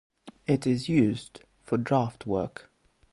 It is used for draft work.